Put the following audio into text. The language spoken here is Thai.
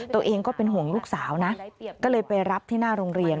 ตัวเองก็เป็นห่วงลูกสาวนะก็เลยไปรับที่หน้าโรงเรียน